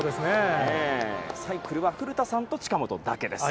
サイクルは古田さんと近本だけです。